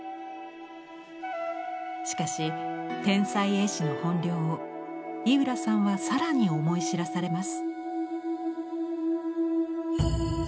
しかし天才絵師の本領を井浦さんは更に思い知らされます。